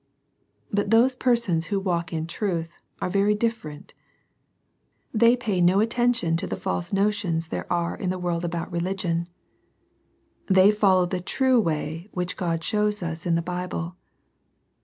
But those persons who walk in truth are very different. They pay no attention to the false notions there are in the world about religion. They follow the true way which God shows us in the Bible.